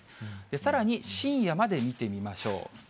さらに深夜まで見てみましょう。